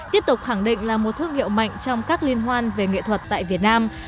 tiếp tục khẳng định là một thương hiệu mạnh trong các liên hoan về nghệ thuật tại việt nam